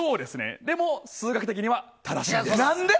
でも、数学的には正しいんです。